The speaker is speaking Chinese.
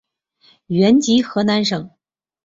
原籍河南省。